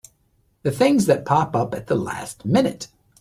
The things that pop up at the last minute!